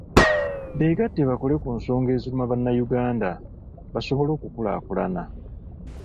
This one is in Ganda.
Beegatte bakole ku nsonga eziruma bannayuganda, basobole okukulaakulana.